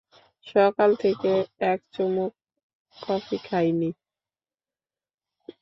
সকাল থেকে এক চুমুক কফিও খাইনি।